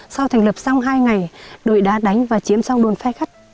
sau thành lập sau hai ngày đội đã đánh và chiếm sau đồn phe khách